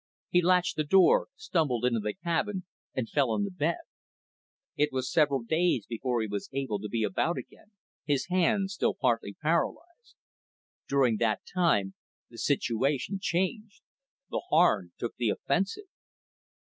He latched the door, stumbled into the cabin and fell on the bed. It was several days before he was able to be about again, his hand still partly paralyzed. During that time, the situation changed. The Harn took the offensive.